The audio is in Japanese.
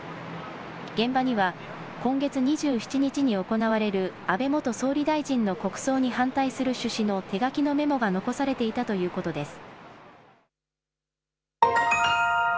現場には今月２７日に行われる安倍元総理大臣の国葬に反対する趣旨の手書きのメモが残されていたということです。